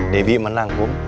deminya telah kepinggang